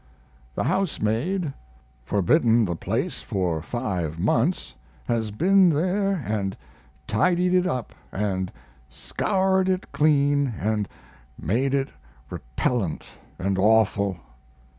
The housemaid, forbidden the place for five months, has been there & tidied it up & scoured it clean & made it repellent & awful.